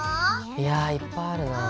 いやいっぱいあるなぁ。